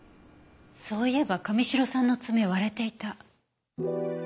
そういえば神城さんの爪割れていた。